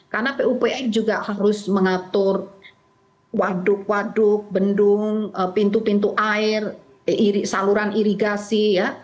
karena pupr juga harus mengatur waduk waduk bendung pintu pintu air saluran irigasi